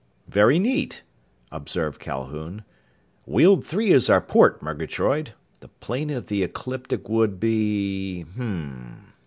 "Very neat," observed Calhoun. "Weald Three is our port, Murgatroyd. The plane of the ecliptic would be ... Hm...."